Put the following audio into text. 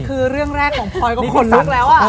คือเรื่องแรกของพลอยก็ขนลุกแล้ว